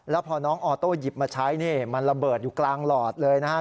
แล้วพอน้องออโต้หยิบมาใช้นี่มันระเบิดอยู่กลางหลอดเลยนะครับ